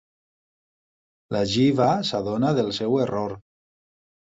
La Jeeva s'adona del seu error.